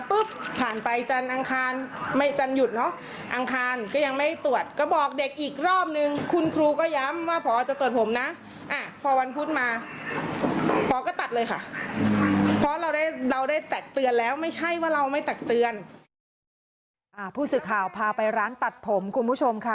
ผู้สื่อข่าวพาไปร้านตัดผมคุณผู้ชมค่ะ